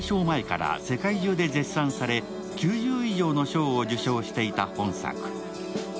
前から世界中で絶賛され９０以上の賞を受賞していた本作。